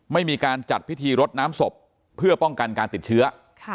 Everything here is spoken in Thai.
ไม่มีการจัดพิธีรดน้ำศพเพื่อป้องกันการติดเชื้อ